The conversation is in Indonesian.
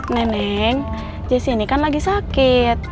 nenek jessy ini kan lagi sakit